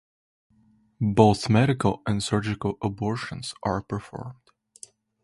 Both medical and surgical abortions are performed.